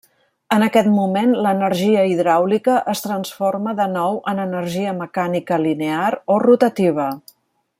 En aquest moment, l'energia hidràulica es transforma de nou en energia mecànica linear o rotativa.